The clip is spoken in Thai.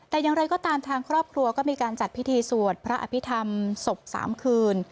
แต่อย่างไรก็ตามทางครอบครัวก็มีการจัดพิธีสวดพระอภิษฐรรมศพ๓คืน